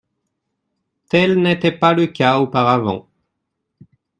Tel n’était pas le cas auparavant.